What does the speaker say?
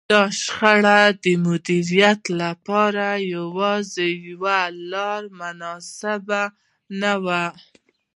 د شخړې د مديريت لپاره يوازې يوه لار مناسبه نه وي.